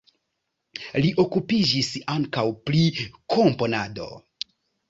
Li okupiĝis ankaŭ pri komponado.